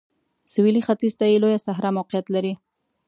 سویلي ختیځ ته یې لویه صحرا موقعیت لري.